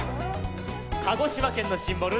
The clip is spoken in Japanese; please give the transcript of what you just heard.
鹿児島県のシンボル